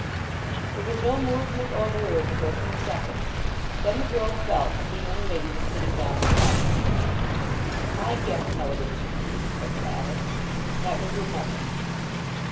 There was no movement or word for a few seconds; then the girl felt that the young lady was sitting down beside her. "I guess how it is with you," said the latter. "That was your mother."